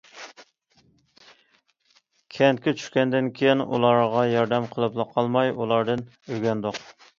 كەنتكە چۈشكەندىن كېيىن ئۇلارغا ياردەم قىلىپلا قالماي، ئۇلاردىن ئۆگەندۇق.